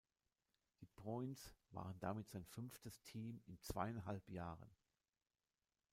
Die Bruins waren damit sein fünftes Team in zweieinhalb Jahren.